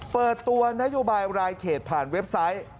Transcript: เปิดตัวนโยบายรายเขตผ่านเว็บไซต์